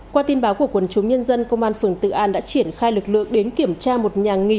qua tin báo của quần chúng nhân dân công an phường tự an đã triển khai lực lượng đến kiểm tra một nhà nghỉ